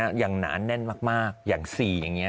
อย่างหนาแน่นมากอย่างสี่อย่างนี้